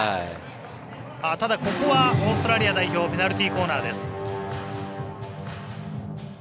ただ、ここはオーストラリア代表ペナルティーコーナーです。